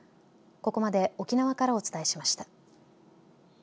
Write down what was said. ここまで沖縄からお伝えしました。